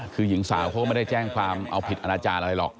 คือหญิงสาวเขาก็ไม่ได้แจ้งความเอาผิดอนาจารย์อะไรหรอก